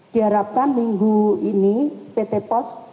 diharapkan minggu ini pt pos sudah melakukan